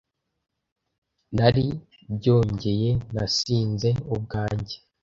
nari byongeye nasinze u bwanjye